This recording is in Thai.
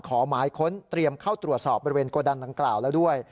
ขอหมายค้นเตรียมเข้าตรวจสอบบริเวณโกดังดังกล่าวแล้วด้วย